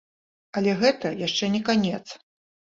Але гэта яшчэ не канец.